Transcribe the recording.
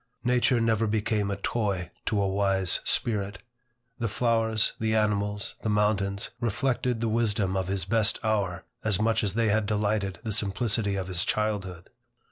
Nature never became a toy to a wise spirit. The flowers, the animals, the mountains, reflected the wisdom of his best hour, as much as they had delighted the simplicity of his childhood.